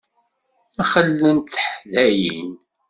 Mxellent teḥdayin.